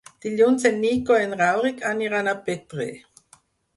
Dilluns en Nico i en Rauric aniran a Petrer.